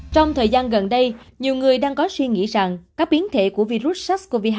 trong thời gian gần đây nhiều người đang có suy nghĩ rằng các biến thể của virus sars cov hai